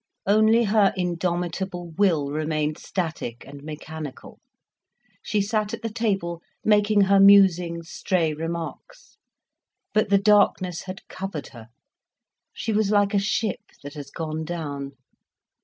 Only her indomitable will remained static and mechanical, she sat at the table making her musing, stray remarks. But the darkness had covered her, she was like a ship that has gone down.